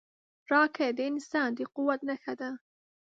راکټ د انسان د قوت نښه ده